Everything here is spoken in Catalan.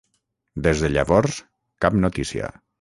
Des de llavors, cap notícia.